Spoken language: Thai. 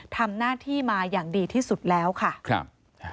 ทำหน้าที่มาอย่างดีที่สุดแล้วค่ะครับ